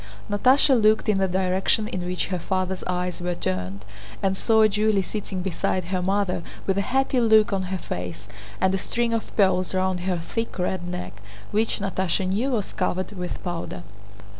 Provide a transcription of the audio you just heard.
Natásha looked in the direction in which her father's eyes were turned and saw Julie sitting beside her mother with a happy look on her face and a string of pearls round her thick red neck—which Natásha knew was covered with powder.